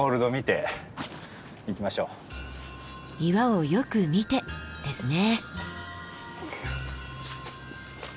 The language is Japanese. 岩をよく見てですね。